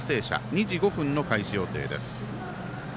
２時５分の開始予定です。